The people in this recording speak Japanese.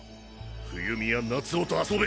冬美や夏雄と遊べ！